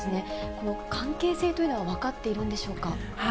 この関係性というのは分かっているんでしょうか。